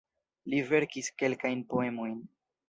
Li verkis kelkajn poemojn.